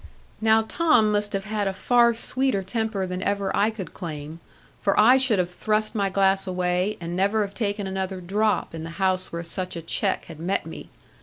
Now Tom must have had a far sweeter temper than ever I could claim; for I should have thrust my glass away, and never have taken another drop in the house where such a check had met me.